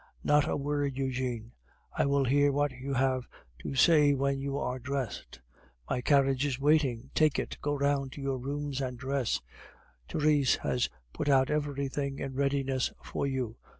Not a word, Eugene. I will hear what you have to say when you are dressed. My carriage is waiting, take it, go round to your rooms and dress, Therese has put out everything in readiness for you.